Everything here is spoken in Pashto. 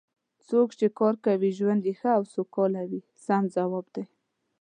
څوک چې کار کوي ژوند یې ښه او سوکاله وي سم ځواب دی.